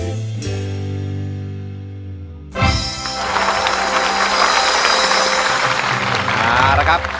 ก็ได้เลยครับ